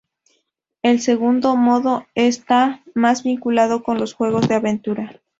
El segundo modo esta más vinculado con los juegos de aventura.